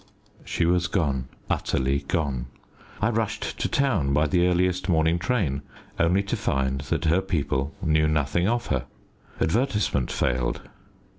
She was gone, utterly gone. I rushed to town by the earliest morning train, only to find that her people knew nothing of her. Advertisement failed.